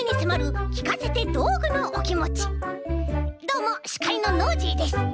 どうもしかいのノージーです！